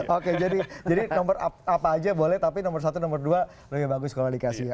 oke jadi nomor apa aja boleh tapi nomor satu nomor dua lebih bagus kalau dikasihnya